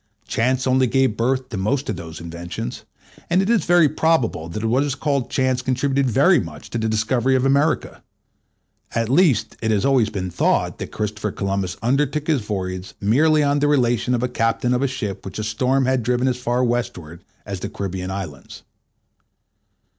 Chance only gave birth to most of those inventions; and it is very probable that what is called chance contributed very much to the discovery of America; at least, it has been always thought that Christopher Columbus undertook his voyage merely on the relation of a captain of a ship which a storm had driven as far westward as the Caribbean Islands.